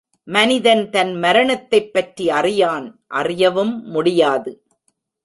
மனிதன் தன் மரணத்தைப் பற்றி அறியான் அறியவும் முடியாது.